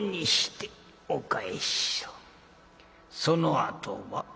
そのあとは？」。